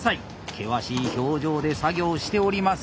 険しい表情で作業しております。